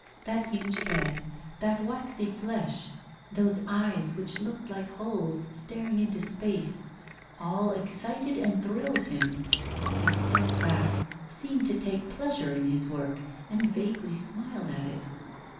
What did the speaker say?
That huge head, that waxy flesh, those eyes which looked like holes staring into space all excited and thrilled him. He stepped back, seemed to take pleasure in his work, and vaguely smiled at it.